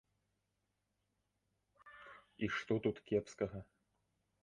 І што тут кепскага?